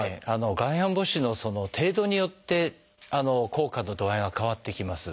外反母趾の程度によって効果の度合いが変わってきます。